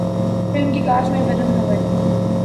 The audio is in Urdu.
فلم کی کاسٹ میں ورون دھون